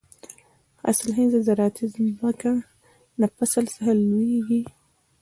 حاصل خېزه زراعتي ځمکې د فصل څخه لوېږي.